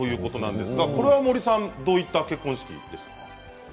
これは森さん、どういった結婚式ですか？